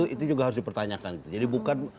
itu juga harus dipertanyakan jadi bukan